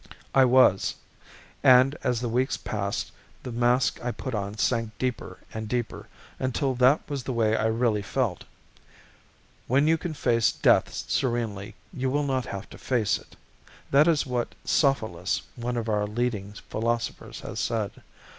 I was. And, as the weeks passed, the mask I put on sank deeper and deeper until that was the way I really felt. 'When you can face death serenely you will not have to face it.' That is what Sophilus, one of our leading philosophers, has said.